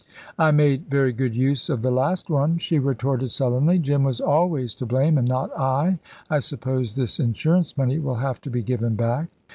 "I made very good use of the last one," she retorted sullenly. "Jim was always to blame, and not I. I suppose this insurance money will have to be given back."